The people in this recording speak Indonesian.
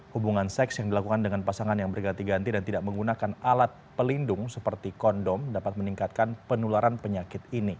hubungan seks yang dilakukan dengan pasangan yang berganti ganti dan tidak menggunakan alat pelindung seperti kondom dapat meningkatkan penularan penyakit ini